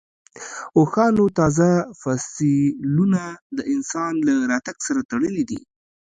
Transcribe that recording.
اوښانو تازه فسیلونه د انسان له راتګ سره تړلي دي.